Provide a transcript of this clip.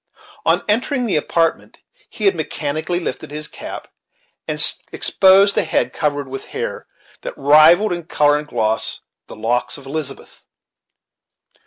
On entering the apartment, he had mechanically lifted his cap, and exposed a head covered with hair that rivalled, in color and gloss, the locks of Elizabeth.